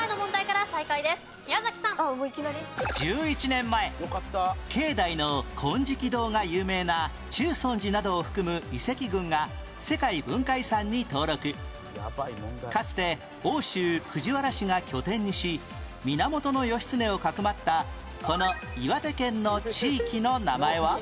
１１年前境内の金色堂が有名なかつて奥州藤原氏が拠点にし源義経をかくまったこの岩手県の地域の名前は？